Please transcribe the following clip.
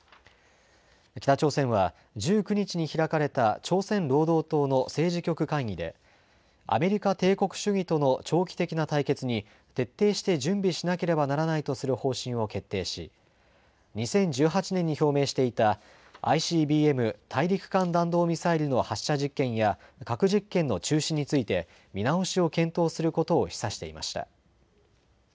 北朝鮮は１９日に開かれた朝鮮労働党の政治局会議でアメリカ帝国主義との長期的な対決に徹底して準備しなければならないとする方針を決定し２０１８年に表明していたＩＣＢＭ・大陸間弾道ミサイルの発射実験や核実験の中止について見直しを検討することを示唆していました。